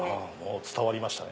伝わりましたね。